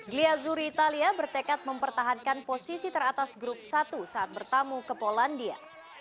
glia zuri italia bertekad mempertahankan posisi teratas grup satu saat bertamu ke polandia